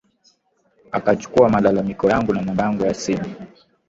akachukua malalamiko yangu na namba yangu ya simu